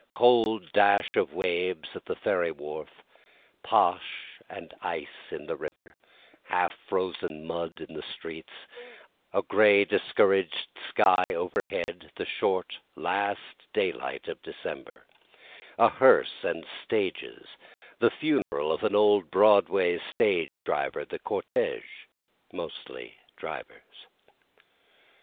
Cold dash of waves at the ferry wharf, posh and ice in the river, half frozen mud in the streets, A gray discouraged sky overhead, the short last daylight of December, A hearse and stages, the funeral of an old Broadway stage driver, the cortege mostly drivers.